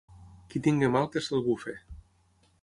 Qui tingui mal que se'l bufi.